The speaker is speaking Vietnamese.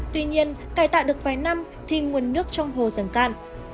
tuy nhiên cải tạo được vài năm thì nguồn nước trong hồ dần cạn